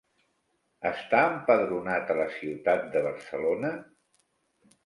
Està empadronat a la Ciutat de Barcelona?